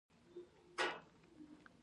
د عصري سیستم نه منل وروسته پاتې کیدل دي.